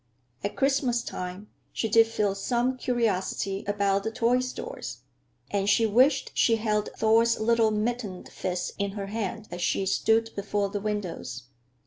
At Christmas time she did feel some curiosity about the toy stores, and she wished she held Thor's little mittened fist in her hand as she stood before the windows.